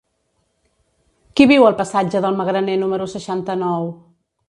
Qui viu al passatge del Magraner número seixanta-nou?